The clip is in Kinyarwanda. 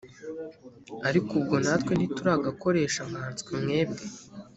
ariko ubwo natwe ntituragakoresha nkanswe mwebwe